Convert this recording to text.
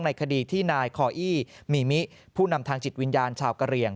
ในคดีที่นายคออี้มีมิผู้นำทางจิตวิญญาณชาวกะเหลี่ยง